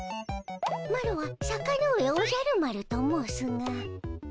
マロは坂ノ上おじゃる丸と申すが。